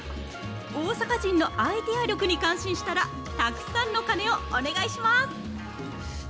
大阪人のアイデア力に感心したら、たくさんの鐘をお願いします。